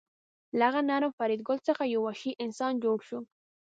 له هغه نرم فریدګل څخه یو وحشي انسان جوړ شو